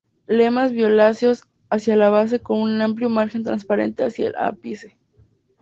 Lemas violáceos hacia la base con un amplio margen transparente hacia el ápice.